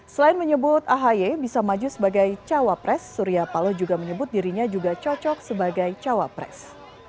selain menyebut ahy bisa maju sebagai cawa pres surya palo juga menyebut dirinya juga cocok sebagai cawa pres